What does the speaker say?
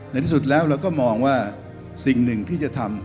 ในที่สุดแล้วเราก็มองว่าสิ่งหนึ่งที่จะทำ